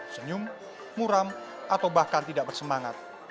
senyum muram atau bahkan tidak bersemangat